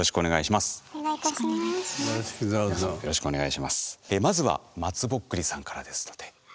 まずはまつぼっくりさんからですので。